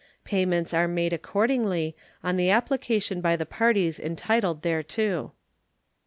Payments are made accordingly, on the application by the parties entitled thereto.